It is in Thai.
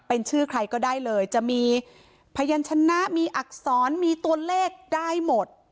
เป็นชื่อใครก็ได้เลยจะมีพยานชนะมีอักษรมีตัวเลขได้หมด